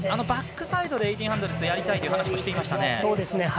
バックサイドで１８００やりたいというお話もしていましたね。